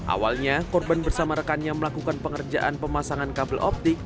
awalnya korban bersama rekannya melakukan pengerjaan pemasangan kabel optik